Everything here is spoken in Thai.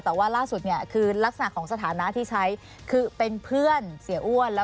แต่ว่าล่าสุดเนี่ยคือลักษณะของสถานะที่ใช้คือเป็นเพื่อนเสียอ้วน